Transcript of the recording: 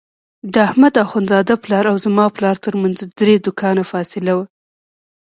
د احمد اخوندزاده پلار او زما پلار ترمنځ درې دوکانه فاصله وه.